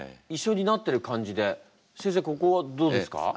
先生ここはどうですか？